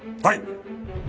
はい。